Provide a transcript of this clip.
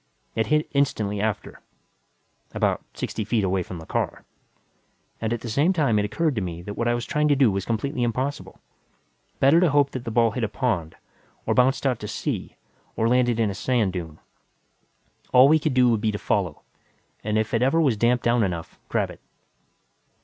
It hit instantly after about sixty feet from the car. And at the same time, it occurred to me that what I was trying to do was completely impossible. Better to hope that the ball hit a pond, or bounced out to sea, or landed in a sand dune. All we could do would be to follow, and if it ever was damped down enough, grab it.